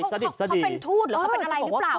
เขาเป็นทูตหรือเขาเป็นอะไรหรือเปล่า